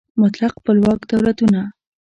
مطلق خپلواک دولتونه